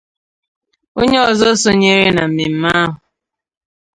onye ọzọ sonyere na mmemme ahụ